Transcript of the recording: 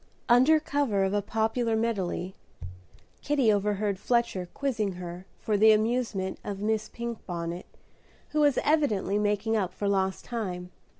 Under cover of a popular medley, Kitty overheard Fletcher quizzing her for the amusement of Miss Pinkbonnet, who was evidently making up for lost time.